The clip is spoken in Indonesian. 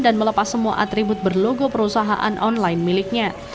dan melepas semua atribut berlogo perusahaan online miliknya